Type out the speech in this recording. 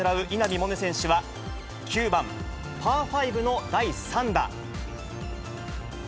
萌寧選手は、９番パー５の第３だ。